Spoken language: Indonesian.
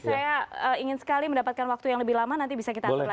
saya ingin sekali mendapatkan waktu yang lebih lama nanti bisa kita hampir lagi ya